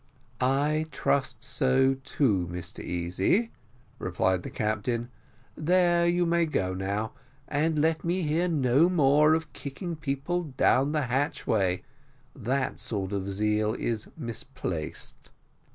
"I trust so too, Mr Easy," replied the captain. "There, you may go now, and let me hear no more of kicking people down the hatchway. That sort of zeal is misplaced."